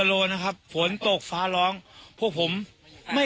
ดีใจครับดีใจ